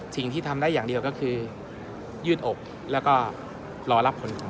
สิ่งที่ทำได้อย่างเดียวก็คือยืดอกแล้วก็รอรับผลต่อ